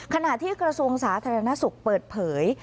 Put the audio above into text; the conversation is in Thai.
ขณะที่กระทรวงสาธารณสุขเปิดเผย